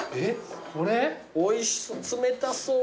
おいしそう冷たそう。